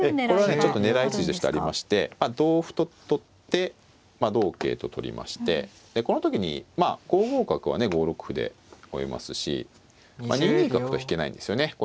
これはねちょっと狙い筋としてありまして同歩と取ってまあ同桂と取りましてでこの時に５五角はね５六歩で追えますしまあ２二角と引けないんですよね。